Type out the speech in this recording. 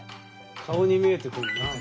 顔に見えてくるなあ。